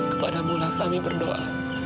kepadamulah kami berdoa